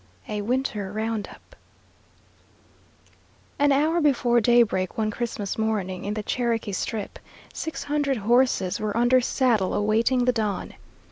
IV A WINTER ROUND UP An hour before daybreak one Christmas morning in the Cherokee Strip, six hundred horses were under saddle awaiting the dawn.